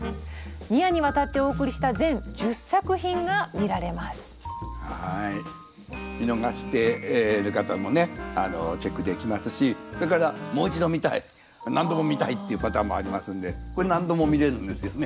見逃してる方もねチェックできますしそれからもう一度見たい何度も見たいっていうパターンもありますのでこれ何度も見れるんですよね。